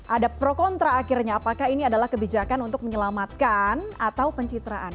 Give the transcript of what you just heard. ada pro kontra akhirnya apakah ini adalah kebijakan untuk menyelamatkan atau pencitraan